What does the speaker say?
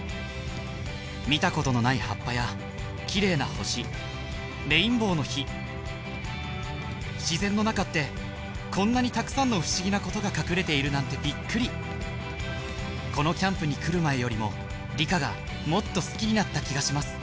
見たことのない葉っぱや綺麗な星レインボーの火自然の中ってこんなにたくさんの不思議なことが隠れているなんてびっくりこのキャンプに来る前よりも理科がもっと好きになった気がします